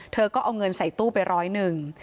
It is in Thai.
เธอก็เอาเงินใส่ตู้ไปร้อยหนึ่ง